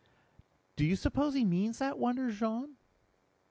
"Do you suppose he means that?" wondered Jean.